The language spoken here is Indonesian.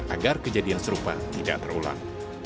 agar kejadian serupa tidak terulang